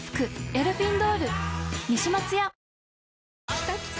きたきた！